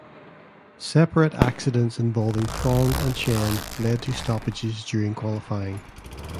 Separate accidents involving Fong and Chen led to stoppages during qualifying.